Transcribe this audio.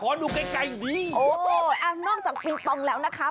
ขอดูใกล้ใกล้ดีอ๋อน้องจากปิงปองแล้วนะคะ